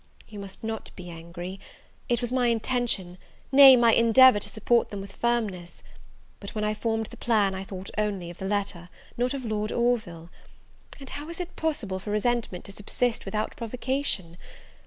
You must not be angry, it was my intention, nay, my endeavour, to support them with firmness: but when I formed the plan, I thought only of the letter, not of Lord Orville! and how is it possible for resentmen to subsist without provocation?